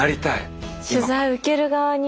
取材受ける側に。